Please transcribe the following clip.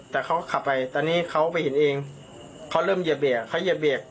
แต่เขาก็ขับไปตอนนี้เขาไปเห็นเองเขาเริ่มเหยียบเบรกเขาเหยียบเบรก